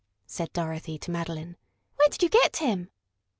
said Dorothy to Madeline. "Where did you get him?"